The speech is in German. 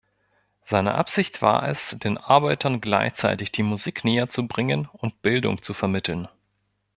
Seine Absicht war es, den Arbeitern gleichzeitig die Musik näherzubringen und Bildung zu vermitteln.